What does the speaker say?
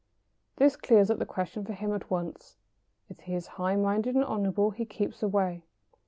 This clears up the question for him at once. If he is high minded and honourable he keeps away.